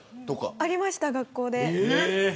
ありました、学校で。